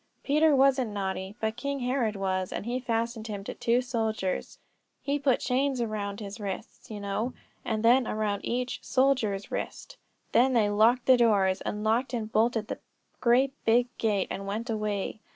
Peter wasn't naughty, but King Herod was; and he fastened him to two soldiers; he put chains around his wrists, you know, and then around each soldier's wrist. Then they locked the doors and locked and bolted the great big gate, and went away.